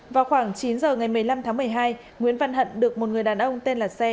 vào khoảng chín giờ ngày một mươi năm tháng một mươi hai nguyễn văn hận được một người đàn ông tên là xe